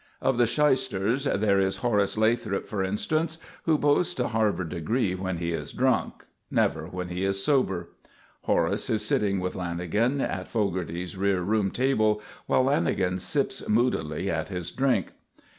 Of the shysters there is Horace Lathrop, for instance, who boasts a Harvard degree when he is drunk never when he is sober. Horace is sitting with Lanagan at Fogarty's rear room table, while Lanagan sips moodily at his drink.